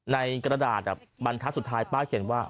ในกระดาษบรรทัศน์สุดท้ายป้าเขียนว่า